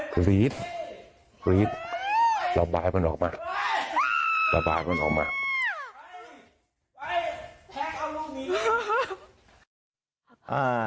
กรี๊ดกรี๊ดเราปลายมันออกมาปลายมันออกมา